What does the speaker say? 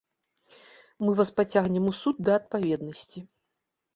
Мы вас пацягнем у суд да адпаведнасці.